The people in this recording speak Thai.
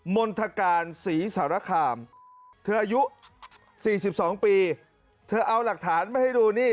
มณฑการศรีสารคามเธออายุ๔๒ปีเธอเอาหลักฐานมาให้ดูนี่